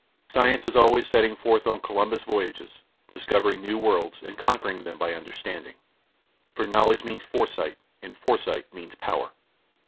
Science is always setting forth on Columbus voyages, discovering new worlds and conquering them by understanding. For Knowledge means Foresight and Foresight means Power.